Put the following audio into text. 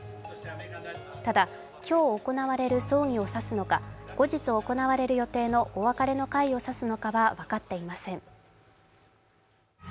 ただ、今日行われる葬儀を指すのか後日行われる予定のお別れの会を指すのかは分かっていません。